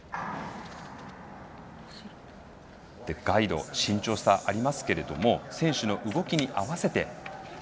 ガイド、身長差ありますけども選手の動きに合わせて。